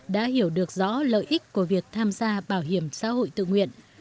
đã hiểu được rõ lợi ích của việc tham gia bảo hiểm xã hội tự nguyện